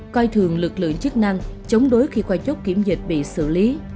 coi thường lực lượng chức năng chống đối khi qua chốt kiểm dịch bị xử lý